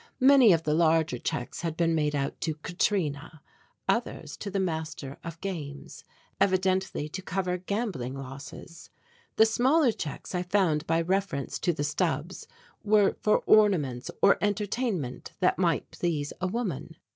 Many of the larger checks had been made out to "Katrina," others to the "Master of Games," evidently to cover gambling losses. The smaller checks, I found by reference to the stubs, were for ornaments or entertainment that might please a woman.